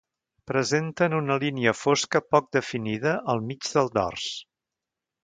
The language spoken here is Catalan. Presenten una línia fosca poc definida al mig del dors.